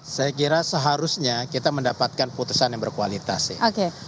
saya kira seharusnya kita mendapatkan putusan yang berkualitas ya